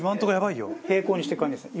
平行にしていく感じですね。